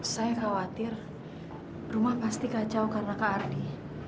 saya khawatir rumah pasti kacau karena kak ardi